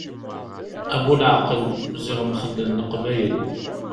A bu leɛqel, ziɣ mxellen Leqbayel.